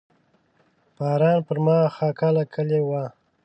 فاران پر ما خاکه لیکلې وه.